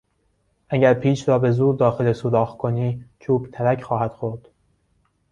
اگر پیچ را به زور داخل سوراخ کنی چوب ترک خواهد خورد.